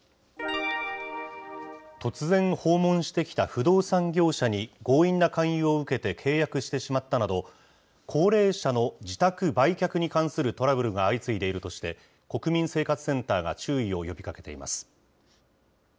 突然訪問してきた不動産業者に、強引な勧誘を受けて契約してしまったなど、高齢者の自宅売却に関するトラブルが相次いでいるとして、国民生活センターが注意を呼びかけています。